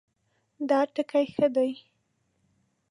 دا ټکی ښه دی